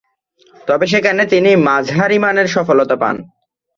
তবে, সেখানে তিনি মাঝারিমানের সফলতা পান।